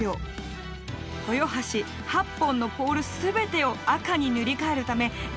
豊橋８本のポール全てを赤に塗り替えるためリングを発射。